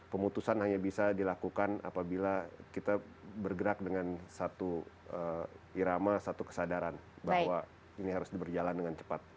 pemutusan hanya bisa dilakukan apabila kita bergerak dengan satu irama satu kesadaran bahwa ini harus berjalan dengan cepat